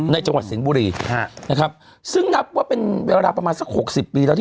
ในจังหวัดสิงห์บุรีนะครับซึ่งนับเป็นเวลาประมาณสัก๖๐ปีแล้ว